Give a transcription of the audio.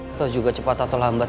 atau juga cepat atau lambat